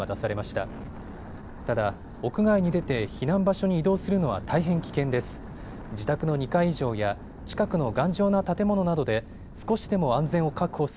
ただ、屋外に出て避難場所に移動するのは大変危険です。